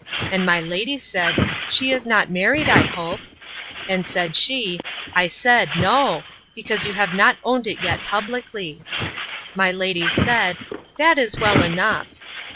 And my lady said, She is not married, I hope? And said she, I said, No: because you have not owned it yet publicly. My lady said, That was well enough.